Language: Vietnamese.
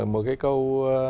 một cái câu